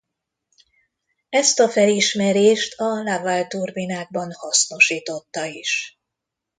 Ezt a felismerést a Laval-turbinákban hasznosította is.